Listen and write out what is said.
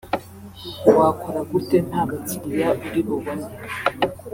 wakora gute nta bakiriya uri bubone